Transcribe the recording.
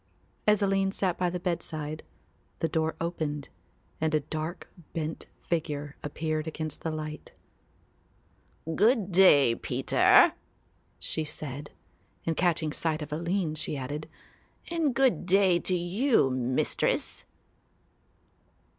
As Aline sat by the bedside the door opened and a dark bent figure appeared against the light. "Good day, Peter," she said, and catching sight of Aline she added, "and good day to you, Mistress."